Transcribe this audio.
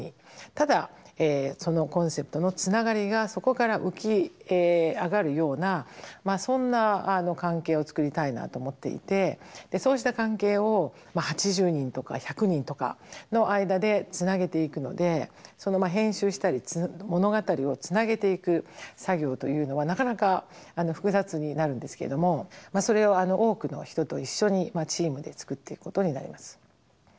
ただそのコンセプトのつながりがそこから浮き上がるようなそんな関係を作りたいなと思っていてそうした関係を８０人とか１００人とかの間でつなげていくのでその編集したり物語をつなげていく作業というのはなかなか複雑になるんですけどもそれを多くの人と一緒にチームで作っていくことになります。